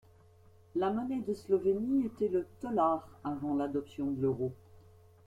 La monnaie de la Slovénie était le tolar avant l'adoption de l'euro.